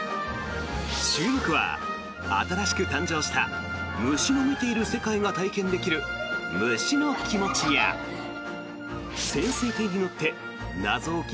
注目は、新しく誕生した虫の見ている世界が体験できる虫のキモチや潜水艇に乗って謎多き